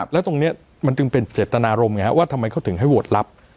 แล้วตรงนี้มันจึงเป็นเจตนารมณ์ไงว่าทำไมเขาถึงให้โหวตรับ